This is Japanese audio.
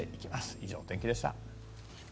以上、天気でした。